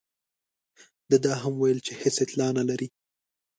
ده دا هم وویل چې هېڅ اطلاع نه لري.